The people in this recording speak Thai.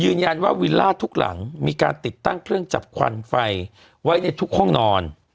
ยืนยันว่าวิลล่าทุกหลังมีการติดตั้งเครื่องจับควันไฟไว้ในทุกห้องนอน